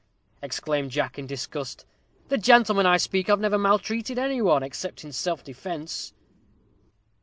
exclaimed Jack, in disgust, "the gentlemen I speak of never maltreated any one, except in self defence."